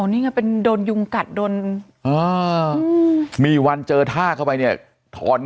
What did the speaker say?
นี่ไงเป็นโดนยุงกัดโดนมีวันเจอท่าเข้าไปเนี่ยถอน